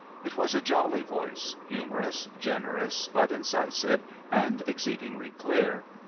It was a jolly voice, humorous, generous but incisive, and exceedingly clear.